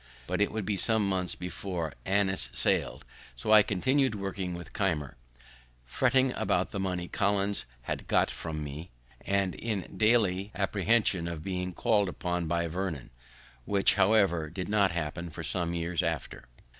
But it would be some months before Annis sail'd, so I continued working with Keimer, fretting about the money Collins had got from me, and in daily apprehensions of being call'd upon by Vernon, which, however, did not happen for some years after.